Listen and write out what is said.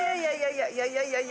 ・いやいやいやいや。